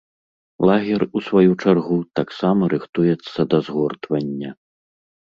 Лагер, у сваю чаргу, таксама рыхтуецца да згортвання.